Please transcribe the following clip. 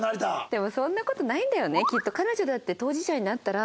でもそんな事ないんだよね。